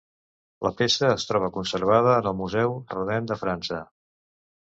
La peça es troba conservada en el Museu Rodin de França.